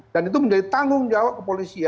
dan itu menjadi tanggung jawab